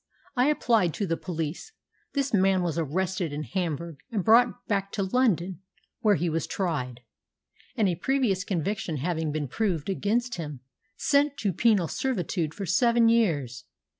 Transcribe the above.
I applied to the police, this man was arrested in Hamburg, and brought back to London, where he was tried, and, a previous conviction having been proved against him, sent to penal servitude for seven years.